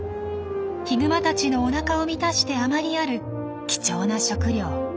ヒグマたちのおなかを満たして余りある貴重な食料。